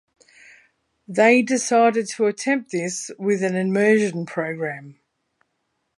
They decided to attempt this with an immersion program.